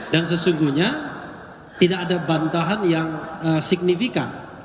dan sesungguhnya tidak ada bantahan yang signifikan